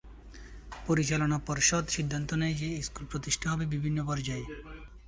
পরিচালনা পর্ষদ সিদ্ধান্ত নেয় যে, স্কুল প্রতিষ্ঠা হবে বিভিন্ন পর্যায়ে।